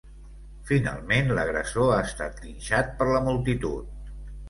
Finalment, l’agressor ha estat linxat per la multitud.